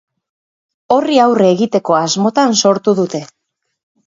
Horri aurre egiteko asmotan sortu dute.